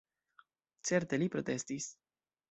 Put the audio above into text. Certe, li protestis.